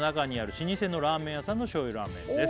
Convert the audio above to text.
「老舗のラーメン屋さんの醤油ラーメンです」